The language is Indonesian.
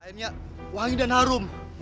airnya wangi dan harum